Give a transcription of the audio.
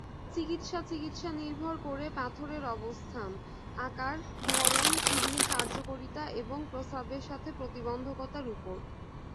চিকিৎসাচিকিৎসানির্ভর করে পাথরের অবস্থান, আকার, ধরন, কিডনির কার্যকারিতা এবং প্রস্রাবের পথে প্রতিবন্ধকতার ওপর।